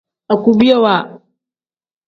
Agubuyaawa.